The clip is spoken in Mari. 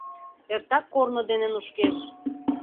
Эртак корно ден нушкеш.